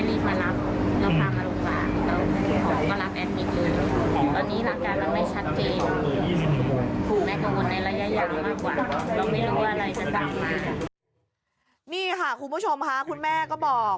นี่ค่ะคุณผู้ชมค่ะคุณแม่ก็บอก